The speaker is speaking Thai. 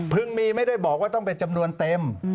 มีไม่ได้บอกว่าต้องเป็นจำนวนเต็ม